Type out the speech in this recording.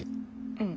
うん。